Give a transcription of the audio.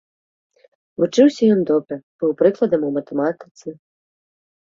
Вучыўся ён добра, быў прыкладам у матэматыцы.